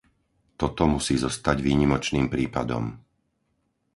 Toto musí zostať výnimočným prípadom.